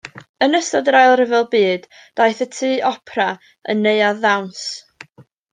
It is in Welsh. Yn ystod yr Ail Ryfel Byd daeth y Tŷ Opera yn neuadd ddawns.